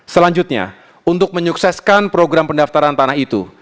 selanjutnya untuk menyukseskan program pendaftaran tanah itu